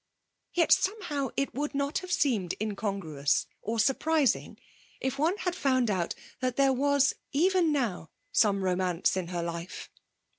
Yet somehow it would not have seemed incongruous or surprising if one had found out that there was even now some romance in her life.